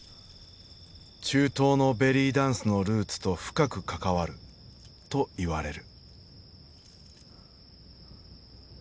中東のベリーダンスのルーツと深く関わるといわれる。